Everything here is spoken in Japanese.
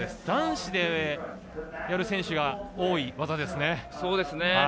男子でやる選手が多い技ですね。